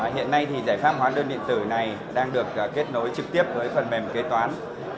hiện nay thì giải pháp hóa đơn điện tử này đang được kết nối trực tiếp với phần mềm kế toán